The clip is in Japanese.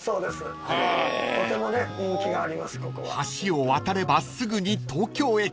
［橋を渡ればすぐに東京駅］